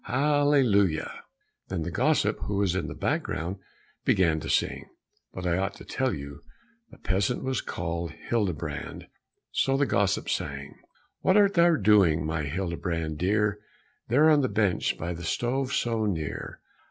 Hallelujah. Then the gossip who was in the background began to sing (but I ought to tell you the peasant was called Hildebrand), so the gossip sang, "What art thou doing, my Hildebrand dear, There on the bench by the stove so near?"